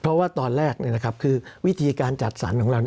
เพราะว่าตอนแรกคือวิธีการจัดสรรของเรา